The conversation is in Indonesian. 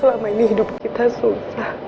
selama ini hidup kita susah